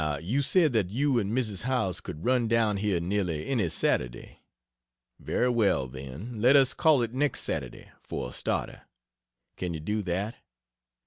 Now you said that you and Mrs. Howells could run down here nearly any Saturday. Very well then, let us call it next Saturday, for a "starter." Can you do that?